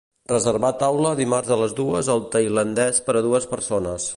Reservar taula dimarts a les dues al tailandès per a dues persones.